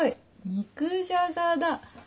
肉じゃがだ。